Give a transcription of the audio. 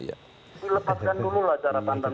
dilepaskan dulu lah cara pandang